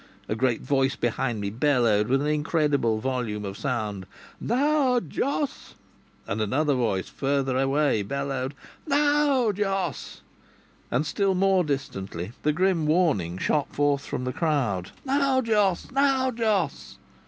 A great voice behind me bellowed with an incredible volume of sound: "Now, Jos!" And another voice, further away, bellowed: "Now, Jos!" And still more distantly the grim warning shot forth from the crowd: "Now, Jos! Now, Jos!"